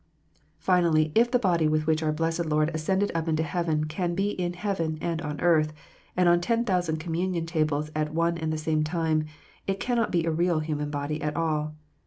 .Finally, if the body with which our blessed Lord ascended up into heaven can be in heaven, and on earth, and on ten thousand communion tables at one and the same time, it cannot be a real human body at all.